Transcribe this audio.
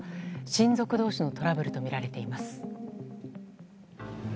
親族同士のトラブルとみられています。